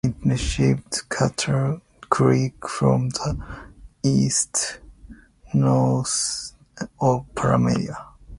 It receives Quittapahilla Creek from the east north of Palmyra.